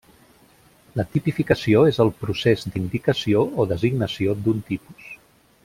La tipificació és el procés d'indicació o designació d’un tipus.